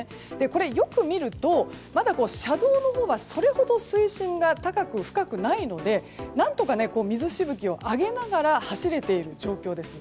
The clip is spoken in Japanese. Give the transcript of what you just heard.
これ、よく見るとまだ車道のほうはそれほど水深が高く、深くないので何とか水しぶきを上げながら走れている状況です。